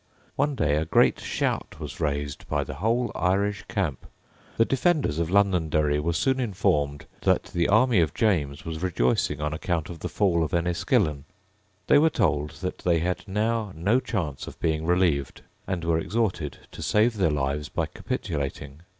One day a great shout was raised by the whole Irish camp. The defenders of Londonderry were soon informed that the army of James was rejoicing on account of the fall of Enniskillen. They were told that they had now no chance of being relieved, and were exhorted to save their lives by capitulating.